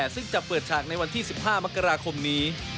ซึ่งจะเปิดฉากในวันที่๑๕มกราคมนี้